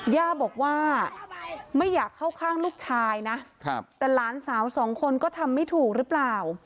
ย่าบอกว่าไม่อยากเข้าข้างลูกชายนะแต่หลานสาวสองคนก็ทำไม่ถูกหรือเปล่า